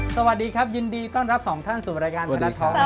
สวัสดีครับยินดีต้อนรับสองท่านสู่บรรยากาศมีรัฐท้องนะครับ